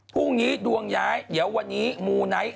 พรุ่งนี้ดวงย้ายเดี๋ยววันนี้มูไนท์